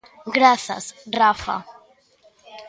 Grazas, Rafa.